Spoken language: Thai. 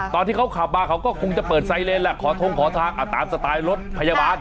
ตอนที่เขาขับมาเขาก็คงจะเปิดไซเลนแหละขอทงขอทางตามสไตล์รถพยาบาล